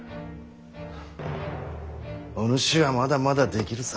はあお主はまだまだできるさ。